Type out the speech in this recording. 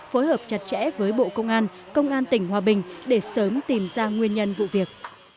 phối hợp chặt chẽ với bộ công an công an tỉnh hòa bình để sớm tìm ra nguyên nhân vụ việc